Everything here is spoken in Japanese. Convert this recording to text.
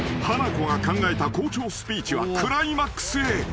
［ハナコが考えた校長スピーチはクライマックスへ］